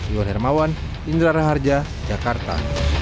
iwan hermawan indra raharja jakarta